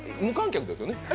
無観客ですよね？